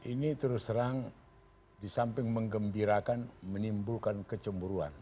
ini terus terang disamping mengembirakan menimbulkan kecemburuan